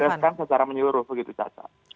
bereskan secara menyuruh begitu saja